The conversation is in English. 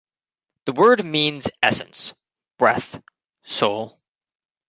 The word means essence, breath, soul.